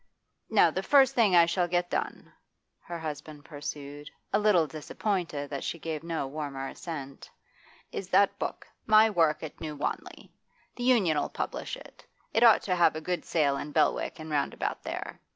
'Now the first thing I shall get done,' her husband pursued, a little disappointed that she gave no warmer assent, 'is that book, "My Work at New Wanley." The Union 'll publish it. It ought to have a good sale in Belwick and round about there.